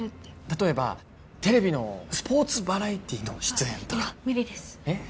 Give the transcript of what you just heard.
例えばテレビのスポーツバラエティーの出演とかああいや無理ですえっ？